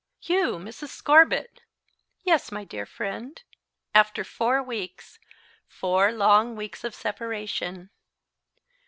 "You, Mrs. Scorbitt!" "Yes, my dear friend, after four weeks four long weeks of separation."